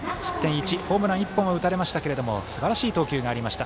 １ホームラン１本は打たれましたがすばらしい投球がありました。